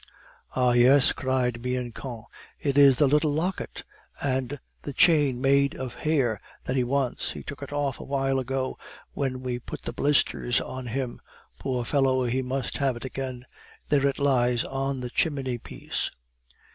"Ah! yes!" cried Bianchon. "It is the little locket and the chain made of hair that he wants; we took it off a while ago when we put the blisters on him. Poor fellow! he must have it again. There it lies on the chimney piece."